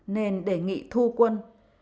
nên đề nghị thu quân